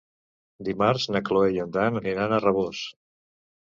Dimarts na Cloè i en Dan aniran a Rabós.